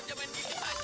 dia main gini banyak